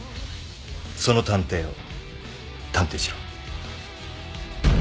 その探偵を探偵しろ。